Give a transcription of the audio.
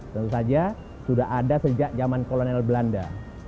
tentu saja sudah ada sejak zaman kolonel belanda